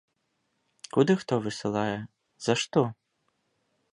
Куды хто высылае, за што?